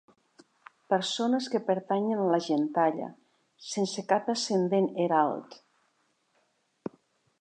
Persones que pertanyen a la gentalla, sense cap ascendent herald.